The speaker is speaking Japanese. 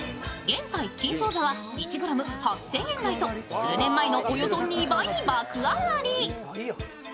現在、金相場は１ｇ８０００円台と数年前のおよそ２倍に爆上がり。